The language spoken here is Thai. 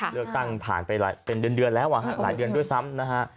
เลือกตั้งผ่านไปเป็นเดือนแล้วหลายเดือนด้วยซ้ำนะฮะ